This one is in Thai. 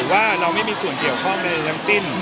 ว่าเราไม่มีส่วนเกี่ยวข้องใดทั้งสิ้น